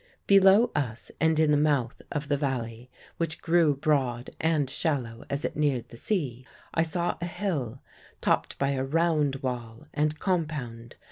"Below us, and in the mouth of the valley, which grew broad and shallow as it neared the sea, I saw a hill topped by a round wall and compound.